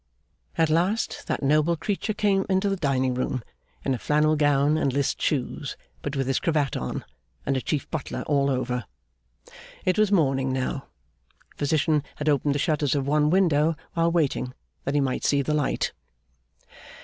At last that noble creature came into the dining room in a flannel gown and list shoes; but with his cravat on, and a Chief Butler all over. It was morning now. Physician had opened the shutters of one window while waiting, that he might see the light.